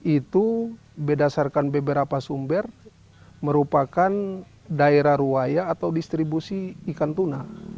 itu berdasarkan beberapa sumber merupakan daerah ruaya atau distribusi ikan tuna